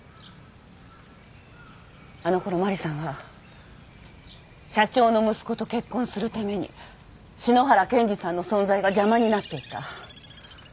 あのころマリさんは社長の息子と結婚するために篠原健治さんの存在が邪魔になっていた。